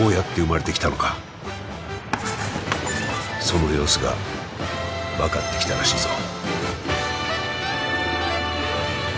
その様子が分かってきたらしいぞ。